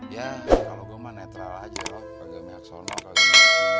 ya kalau gue mah netral aja loh agak meyaksono agak gini